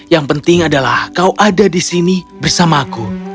yang penting adalah kau ada di sini bersama aku